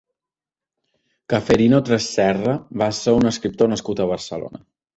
Ceferino Tresserra va ser un escriptor nascut a Barcelona.